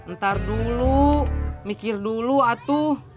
ntar dulu mikir dulu atu